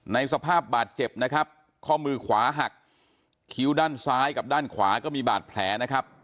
สภาพบาดเจ็บนะครับข้อมือขวาหักคิ้วด้านซ้ายกับด้านขวาก็มีบาดแผลนะครับ